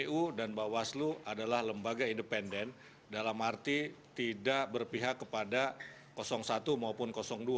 kpu dan bawaslu adalah lembaga independen dalam arti tidak berpihak kepada satu maupun dua